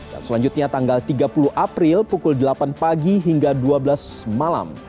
dan selanjutnya tanggal tiga puluh april pukul delapan pagi hingga dua belas malam